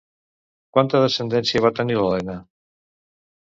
Quanta descendència va tenir l'Elena?